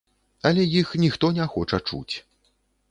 Але іх ніхто не хоча чуць.